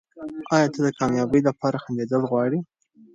ایا ته د کامیابۍ لپاره خندېدل غواړې؟